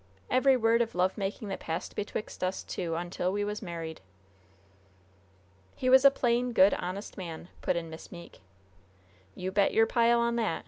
Every word of love making that passed betwixt us two until we was married." "He was a plain, good, honest man," put in Miss Meeke. "You bet your pile on that!